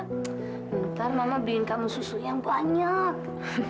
ntar mama bikin kamu susu yang banyak